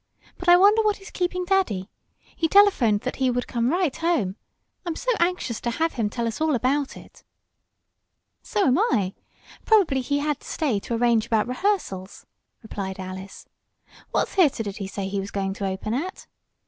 "But I wonder what is keeping daddy? He telephoned that he would come right home. I'm so anxious to have him tell us all about it!" "So am I. Probably he had to stay to arrange about rehearsals," replied Alice. "What theater did he say he was going to open at?"